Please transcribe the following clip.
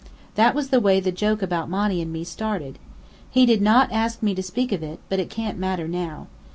That was the way the joke about Monny and me started. He did ask me not to speak of it, but it can't matter now.